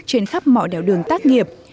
trên khắp mọi đèo đường tác nghiệp